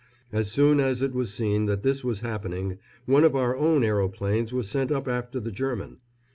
As soon as it was seen that this was happening, one of our own aeroplanes was sent up after the German.